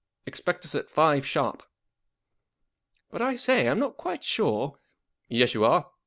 Expect us at five sharp.'* " But, I say, I'm not quite sure "" Yes, you are.